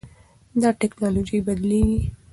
دا ټکنالوژي بدلېږي.